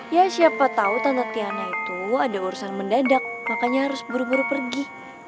ya siapa tahu tanda tiana itu ada urusan mendadak makanya harus buru buru pergi